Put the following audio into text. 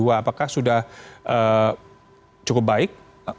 apakah sudah cukup baik